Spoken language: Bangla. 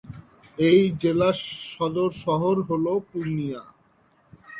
এই জেলার সদর শহর হল পূর্ণিয়া।